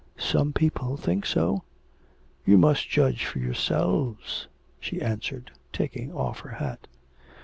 'Some people think so. You must judge for yourselves,' she answered, taking off her hat.